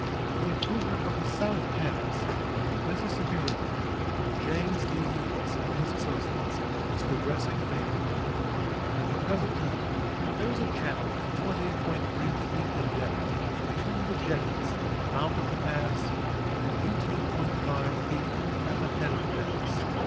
The improvement of the South Pass of the Mississippi River, under James B. Eads and his associates, is progressing favorably. At the present time there is a channel of 20.3 feet in depth between the jetties at the mouth of the pass and 18.5 feet at the head of the pass.